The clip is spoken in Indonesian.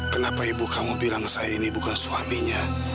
kenapa ibu kamu bilang saya ini bukan suaminya